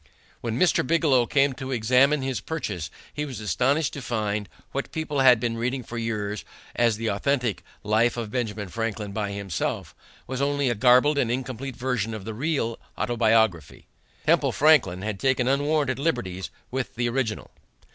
When Mr. Bigelow came to examine his purchase, he was astonished to find that what people had been reading for years as the authentic Life of Benjamin Franklin by Himself, was only a garbled and incomplete version of the real Autobiography. Temple Franklin had taken unwarranted liberties with the original.